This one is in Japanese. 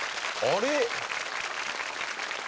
あれ？